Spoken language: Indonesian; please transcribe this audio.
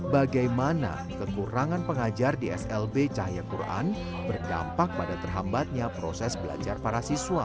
bagaimana kekurangan pengajar di slb cahaya quran berdampak pada terhambatnya proses belajar para siswa